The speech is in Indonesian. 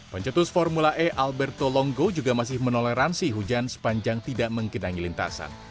pencetus formula e alberto longo juga masih menoleransi hujan sepanjang tidak mengkedangi lintasan